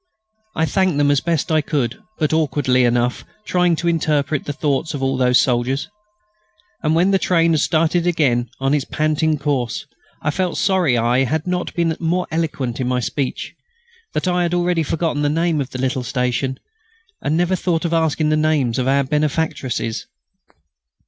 I thanked them as best I could, but awkwardly enough, trying to interpret the thoughts of all those soldiers. And when the train had started again on its panting course, I felt sorry I had not been more eloquent in my speech; that I had already forgotten the name of the little station, and never thought of asking the names of our benefactresses.